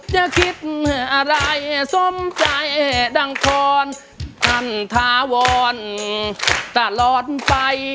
จะคิดอะไรสมใจดังพรท่านทะวอนตลอดไป